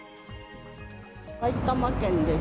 埼玉県です。